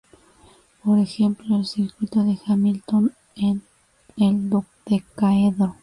Por ejemplo, el circuito de Hamilton en el dodecaedro.